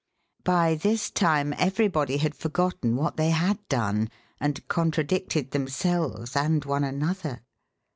By this time everybody had forgotten what they had done, and contradicted themselves and one another.